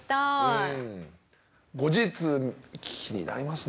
後日気になりますね。